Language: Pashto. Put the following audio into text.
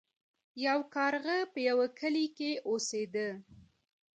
یو کارغه په یوه کلي کې اوسیده.